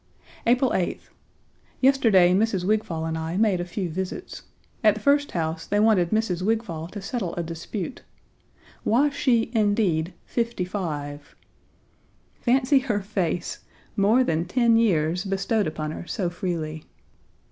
Page 32 April 8th. Yesterday Mrs. Wigfall and I made a few visits. At the first house they wanted Mrs. Wigfall to settle a dispute. "Was she, indeed, fifty five?" Fancy her face, more than ten years bestowed upon her so freely.